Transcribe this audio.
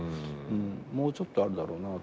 もうちょっとあるだろうなと思うけど。